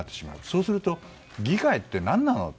そうすると議会って何なの？